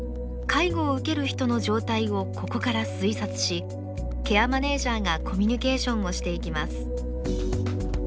介護を受ける人の状態をここから推察しケアマネージャーがコミュニケーションをしていきます。